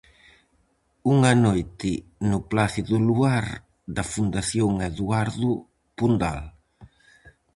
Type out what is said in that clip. Unha noite no Plácido luar da Fundación Eduardo Pondal.